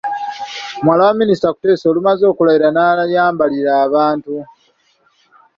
Muwala wa Minisita Kuteesa, olumaze okulayira n’ayambalira abantu.